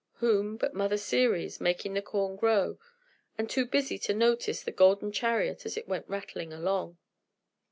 Whom but Mother Ceres, making the corn grow, and too busy to notice the golden chariot as it went rattling along.